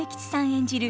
演じる